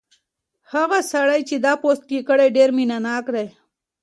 هغه سړی چې دا پوسټ یې کړی ډېر مینه ناک دی.